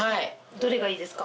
どれがいいですか？